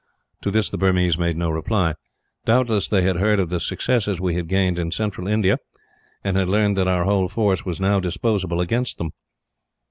To this the Burmese made no reply. Doubtless they had heard of the successes we had gained in Central India, and had learned that our whole force was disposable against them.